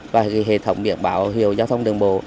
và hệ thống biển báo hiệu giao thông đường bộ